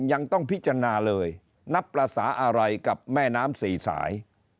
ยังต้องพิจารณาเลยนับภาษาอะไรกับแม่น้ำสี่สาย